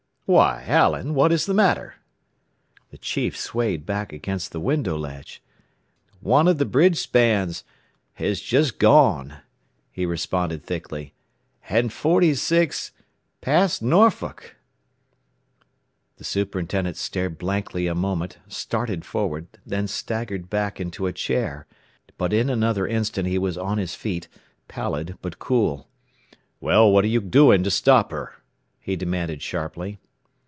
"Why, Allen, what is the matter?" The chief swayed back against the window ledge. "One of the bridge spans has just gone," he responded thickly, "and Forty six passed Norfolk!" The superintendent stared blankly a moment, started forward, then staggered back into a chair. But in another instant he was on his feet, pallid, but cool. "Well, what are you doing to stop her?" he demanded sharply.